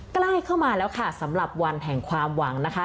ใกล้เข้ามาแล้วค่ะสำหรับวันแห่งความหวังนะคะ